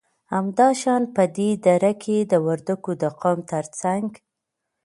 همدا شان په دې دره کې د وردگو د قوم تر څنگ